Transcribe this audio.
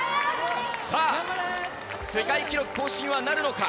さあ、世界記録更新はなるのか。